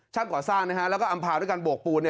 ก่อสร้างแล้วก็อำพาด้วยการโบกปูน